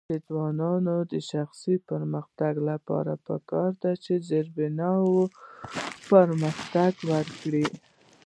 د ځوانانو د شخصي پرمختګ لپاره پکار ده چې زیربنا پرمختګ ورکړي.